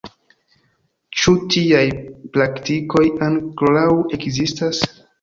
Ĉu tiaj praktikoj ankoraŭ ekzistas?